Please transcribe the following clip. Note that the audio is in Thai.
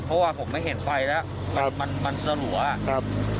เพราะว่าผมไม่เห็นไฟแล้วมันมันสลัวครับ